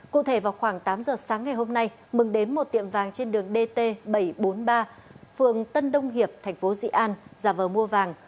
cụ thể vào khoảng tám giờ sáng ngày hôm nay mừng đến một tiệm vàng trên đường dt bảy trăm bốn mươi ba phường tân đông hiệp thành phố dị an giả vờ mua vàng